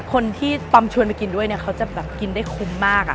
คนที่ตอมชวนมากินด้วยเค้าจะกินได้คุ้มมาก